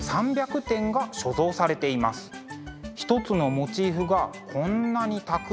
一つのモチーフがこんなにたくさん。